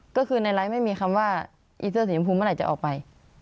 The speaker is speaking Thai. ก็คือในไลฟ์ไม่มีคำว่าอีเสื้อสีชมพูเมื่อไหร่จะออกไป